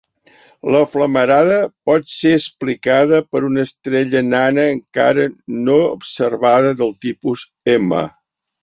La flamarada pot ser explicada per una estrella nana encara no observada del tipus M.